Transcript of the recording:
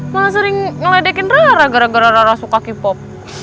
malah sering ngeledekin rara gara gara rara suka k pop